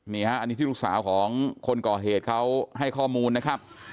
นี่ฮะอันนี้ที่ลูกสาวของคนก่อเหตุเขาให้ข้อมูลนะครับ